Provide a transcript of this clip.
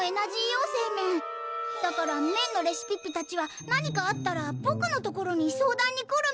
妖精メンだから麺のレシピッピたちは何かあったらボクの所に相談に来る